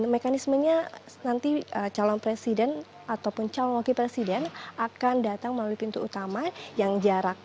mekanismenya nanti calon presiden ataupun calon wakil presiden akan datang melalui pintu utama yang jarak